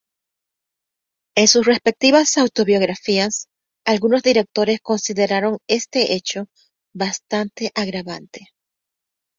En sus respectivas autobiografías, algunos directores consideraron este hecho bastante agravante.